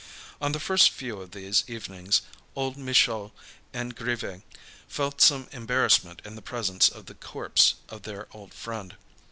On the first few of these evenings, old Michaud and Grivet felt some embarrassment in the presence of the corpse of their old friend.